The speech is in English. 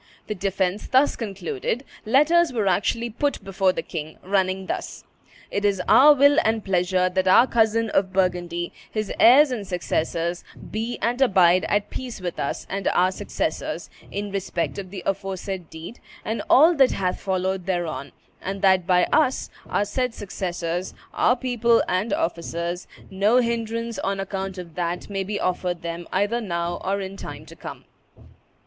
The defence thus concluded, letters were actually put before the king, running thus: "It is our will and pleasure that our cousin of Burgundy, his heirs and successors, be and abide at peace with us and our successors, in respect of the aforesaid deed, and all that hath followed thereon; and that by us, our said successors, our people and officers, no hinderance, on account of that, may be offered them, either now or in time to come."